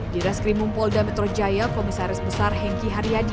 di raskrimumpolda metro jaya komisaris besar henki haryadi